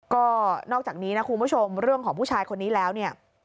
ก็นอกจากนี้นะคุณผู้ชมเรื่องของผู้ชายคนนี้แล้วเนี่ย